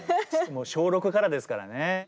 もう小６からですからね。